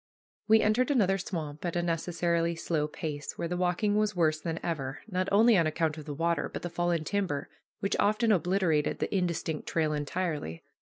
We entered another swamp, at a necessarily slow pace, where the walking was worse than ever, not only on account of the water, but the fallen timber, which often obliterated the indistinct trail entirely.